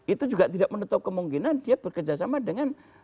itu juga tidak menutup kemungkinan dia bekerjasama dengan